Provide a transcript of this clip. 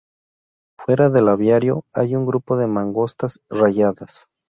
Fuera del aviario, hay un grupo de mangostas rayadas.